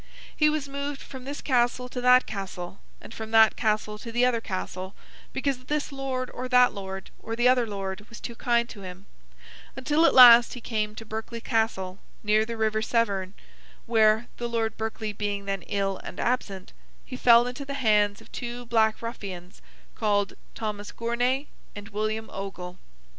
He was moved from this castle to that castle, and from that castle to the other castle, because this lord or that lord, or the other lord, was too kind to him: until at last he came to Berkeley Castle, near the River Severn, where (the Lord Berkeley being then ill and absent) he fell into the hands of two black ruffians, called Thomas Gournay and William Ogle.